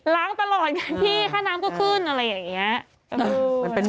ตลอดกันพี่ค่าน้ำก็ขึ้นอะไรอย่างนี้